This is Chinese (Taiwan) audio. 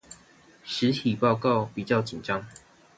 實體報告比較緊張